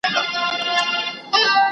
خلګ د خپلي خوښي کتابونه لولي.